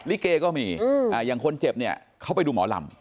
ลิเกก็มีอย่างคนเจ็บเนี่ยเขาไปดูหมอลำ